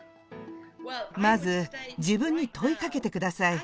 まず、自分に問いかけてください。